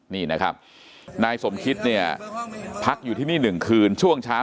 นี่นะครับนายสมคิตเนี่ยพักอยู่ที่นี่๑คืนช่วงเช้า